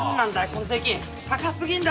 この税金高過ぎんだろ！